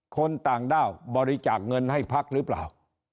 คนต่างด้าวบริจาคเงินให้พักหรือเปล่า